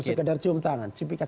bukan sekedar cium tangan